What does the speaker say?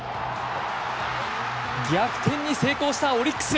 逆転に成功したオリックス。